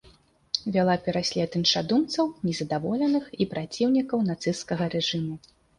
Вяла пераслед іншадумцаў, незадаволеных і праціўнікаў нацысцкага рэжыму.